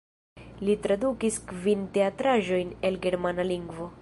Li tradukis kvin teatraĵojn el germana lingvo.